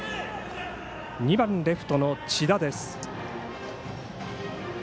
２番レフトの千田です。